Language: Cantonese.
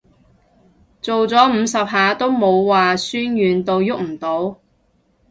做咗五十下都冇話痠軟到郁唔到